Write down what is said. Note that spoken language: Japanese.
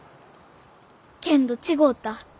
けんど違うた。